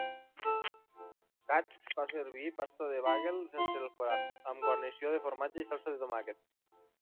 Katz fa servir pasta de bagel sense el forat, amb guarnició de formatge i salsa de tomàquet.